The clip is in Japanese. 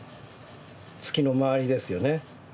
月の周りですよね。